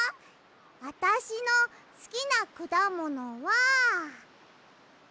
あたしのすきなくだものはもも！